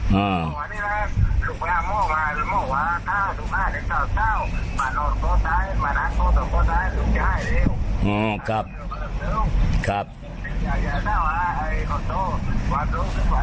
เวอร์๑๖วัย๑๘วัย๑๙วัย๒๐วัย๒๑วัย๒๒วัย๒๕วัย๒๖วัย๒๖วัย๒๗วัย๒๘วัย๓๐